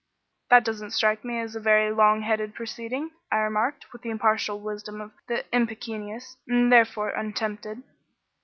'" "That doesn't strike me as a very long headed proceeding," I remarked, with the impartial wisdom of the impecunious, and therefore untempted.